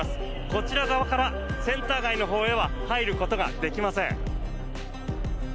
こちら側からセンター街のほうへは入ることができません。